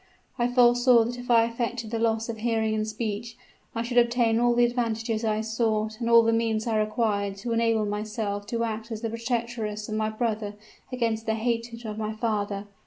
I foresaw that if I affected the loss of hearing and speech, I should obtain all the advantages I sought and all the means I required to enable me to act as the protectress of my brother against the hatred of my father.